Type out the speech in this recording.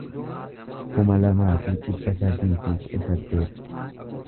kuma lamaa fi dhibba sadii fi kudha saddeet